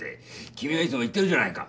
君はいつも言ってるじゃないか。